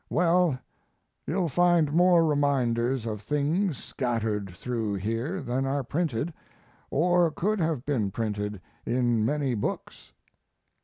Well, you'll find more reminders of things scattered through here than are printed, or could have been printed, in many books.